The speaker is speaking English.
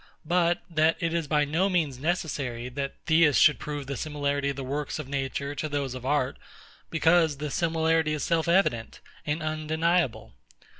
but that it is by no means necessary, that Theists should prove the similarity of the works of Nature to those of Art; because this similarity is self evident and undeniable?